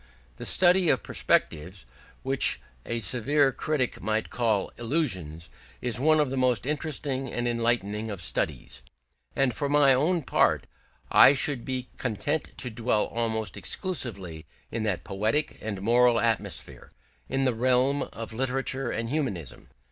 The study of perspectives, which a severer critic might call illusions, is one of the most interesting and enlightening of studies, and for my own part I should be content to dwell almost exclusively in that poetic and moral atmosphere, in the realm of literature and of humanism.